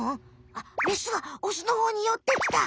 あっメスがオスのほうによってきた。